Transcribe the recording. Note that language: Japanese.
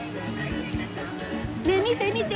ねえ見て見て！